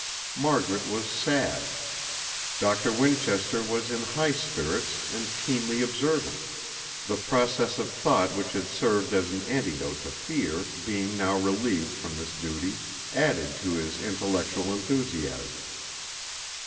Margaret was sad. Doctor Winchester was in high spirits, and keenly observant; the process of thought which had served as an antidote to fear, being now relieved from this duty, added to his intellectual enthusiasm.